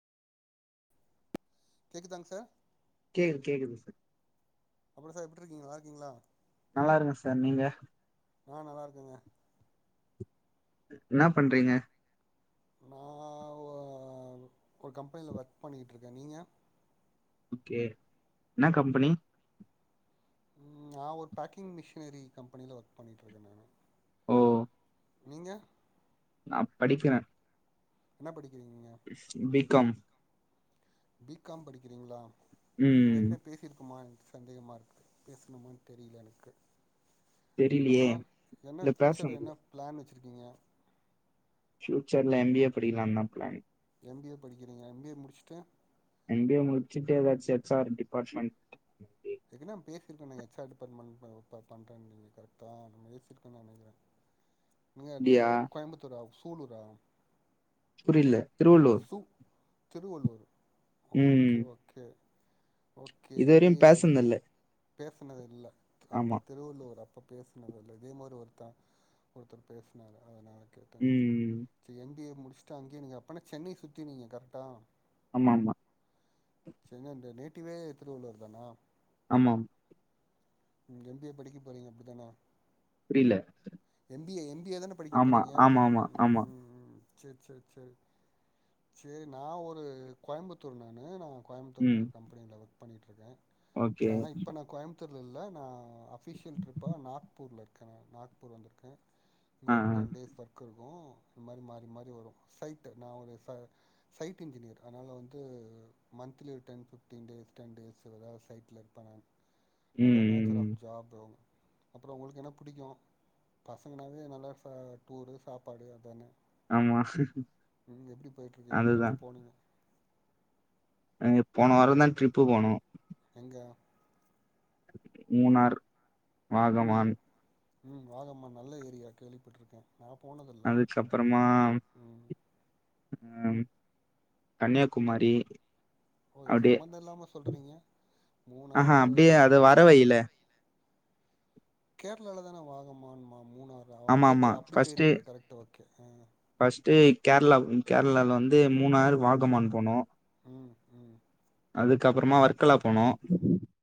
கேக்குதாங் sir கேக்குது கேக்குது sir எப்படி சார் எப்டியிருக்கீங்க நல்லா இருக்கீங்களா. நல்லா இருங்க சார் நீங்க. நா நல்லா இருக்கங்க. என்ன பண்றீங்க. நா ஒரு கம்பெனில ஒர்க் பண்ணிட்டு இருக்கே நீங்க. ஓகே என்ன கம்பெனி. உம் நா ஒரு பேக்கிங் மிஷினரி கம்பெனில ஒர்க் பண்ணிட்டு இருக்கே நானு. ஓ. நீங்க. நா படிக்குற. என்ன படிக். பிகாம். பிகாம் படிக்கிறீங்களா. நம்ம ம் எற்கெணவே பேசிருக்கோமா. சந்தேகமா இருக்கு பேசணுமானு தெரியல எனக்கு. தெரிலியே அப்புறோ என்ன இல்ல பியூச்சர் பேசணும்ல என்ன பிளான் வச்சு. வச்சிருக்கீங்க. பியூச்சர்ல எம் பி எ படிக்களானு பிளேன். எம் பி ஏ படிக்கிறீங்க எம் பி ஏ முடிச்சுட்டு. இங்கயே முடிச்சட்டே ஏதாச்சு எச். R department. அப்டியா ஏற்கனவே நம்ப பேசிருக்கமே எச் ஆர் டிபார்ட்மெண்ட் பா பண்றனு நீங்க கரெக்டா பேசிருக்குறோனு நெனிக்குற. நீங்கநீங்க கோயம்புத்தூரா. சூலூரா. புரியல. திருவள்ளூர். திருவள்ளூரு. ம் okay okay. Okay M. B. இதுவரையு ஏ பேசுனதில்ல பேசனது இல்ல ஆமா அப்ப திருவள்ளூரா. இப்ப பேசனதல்ல இதே மாரி ஒருத்தா ஒருத்தர் பேசுனாரு அதனால. கேட்டானா எம். ம் பி. ஏ முடிச். ஃபர்ஸ்ட் அங்கயே நீங்க அப். அப்பனா சென்னை சுத்தி நீங்க கரெக்டா. ஆம்மாமா. டுவே திருவள்ளூர் தானா. ஆமாம். இங்கிருந்தே படிக்க போறீங்க அப்டித்தான. புரியல. M B A, M B A தான படிக்க போறீங்க ஆமா உஹம். செரி செரி செரி சேரி நா ஒரு கோயம்புத்தூர் நானு நா. கோயம்த்தூர்ல ம் ஒரு கம்பனியில. பண்ணிகிட்டுருக்கேன் ஓகே ஆனா இப்ப நான் கோயம்பத் துர் இல்ல நா அபிஷியல் ட்ரிப்பா நாக்பூர்ல இருக்கு கேன நாக் பூர் வந்திருக்கேன் இங்க ஆ ஆ ஒரு டென் டேஸ் ஒர்க் இருக்கும் இந்த மாறி மாறி மாறி வரும் சைட் நான் ஒரு சைட் இன்ஜினியர் அதனால வந்து மன்த்லி ஒரு ten fifteen days ten days ஏதாவது ஒரு சைட்ல இருப்பேன் நானு ம் அதான் ம் நேச்சர் ம். ஆப் ஜாப் அப்புறம் உங்களுக்கு என்ன புடிக்கும் பசங்கனாவே நல்லா சா டூரு சாப்பாடு அதானே ஆமா உம் எப்டி போயிட்டுருக்கு அதுதா எங்கெல்லாம் போனீங்க நாங்க போன வாரம் தான் ட்ரிப் போனோம் எங்க மூனார் வாகமான் உம் வாகமா நல்ல ஏரியா கேள்விபட்டருகேன் அதுகப்புறமா ம் உம் கன்னியாகுமாரி ஓ இது அப்டியே சம்மந்த இல்லாம சொல்றீங்க மூணாறு அப்டியே அது வர வைல கேரளாலதான வாகமான் மான் மூணாறு ஆமா அங்க ஆமா இருந்து அப்டி ஃபஸ்ட்டு போயிருவீங்க கரக்ட் ஓகே ஃபஸ்ட்டு கேரளா கேரளாலவந்து மூணாறு வாகமான் போனோ ம் ம் அதுகப்புறமா ஒர்க்கல போனோ